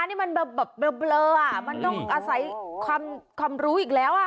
นี่มันแบบเบลอมันต้องอาศัยความรู้อีกแล้วอ่ะ